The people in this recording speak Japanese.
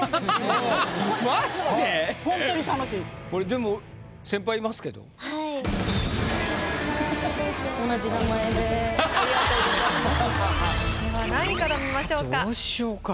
では何位から見ましょうか？